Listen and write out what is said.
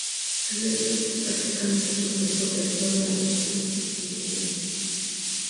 En el club se practican los deportes de waterpolo, natación y tenis.